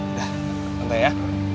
udah santai ya